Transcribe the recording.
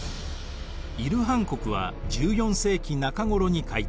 イル・ハン国は１４世紀中頃に解体。